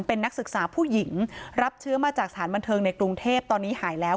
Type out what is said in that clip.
เป็นนักศึกษาผู้หญิงรับเชื้อมาจากสถานบันเทิงในกรุงเทพตอนนี้หายแล้ว